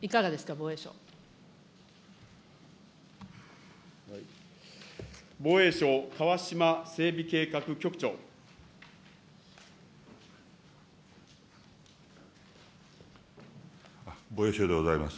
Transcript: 防衛省、防衛省でございます。